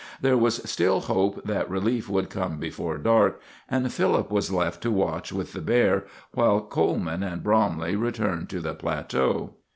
There was still hope that relief would come before dark, and Philip was left to watch with the bear, while Coleman and Bromley returned to the plateau.